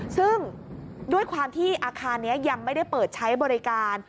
ซึ่งด้วยความที่อาคารนี้ยังไม่ได้เปิดใช้บริการ